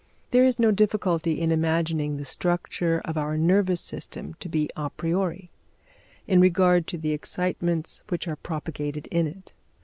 There is no difficulty in imagining the structure of our nervous system to be a priori, in regard to the excitements which are propagated in it.